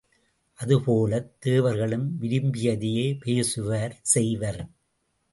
அதுபோலத் தேவர்களும் விரும்பியதையே பேசுவார் செய்வர்.